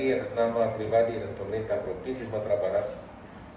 selagi atas nama pribadi dan pemerintah provinsi sumatera barat